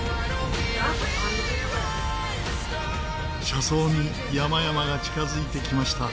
車窓に山々が近づいてきました。